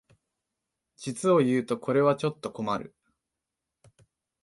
実をいうとこれはちょっと困る